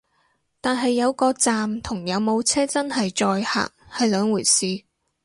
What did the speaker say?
但係有個站同有冇車真係載客係兩回事